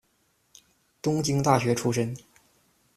东京大学出身。